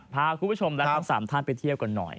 พาคุณผู้ชมและทั้ง๓ท่านไปเที่ยวกันหน่อย